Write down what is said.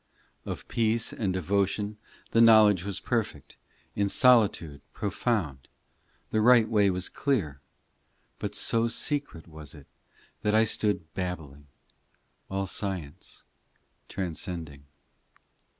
ii Of peace and devotion The knowledge was perfect, In solitude profound ; The right way was clear, But so secret was it, That I stood babbling, All science transcending.